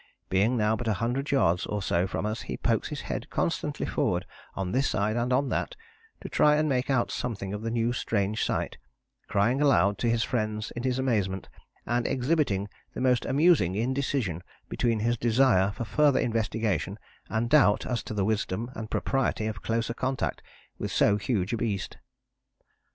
Being now but a hundred yards or so from us he pokes his head constantly forward on this side and on that, to try and make out something of the new strange sight, crying aloud to his friends in his amazement, and exhibiting the most amusing indecision between his desire for further investigation and doubt as to the wisdom and propriety of closer contact with so huge a beast."